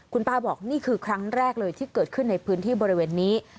คุณป้าบอกนี่คือครั้งแรกเลยที่เกิดขึ้นในพื้นที่บริเวณนี้